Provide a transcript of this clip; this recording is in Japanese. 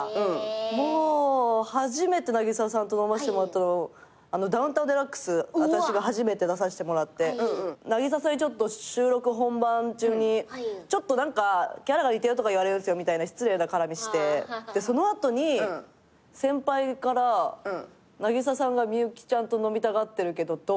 もう初めて渚さんと飲ませてもらったの『ダウンタウンＤＸ』私が初めて出させてもらって渚さんにちょっと収録本番中に「何かキャラが似てるとか言われるんすよ」みたいな失礼な絡みしてその後に先輩から「渚さんが幸ちゃんと飲みたがってるけどどう？」